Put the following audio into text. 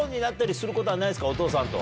お父さんと。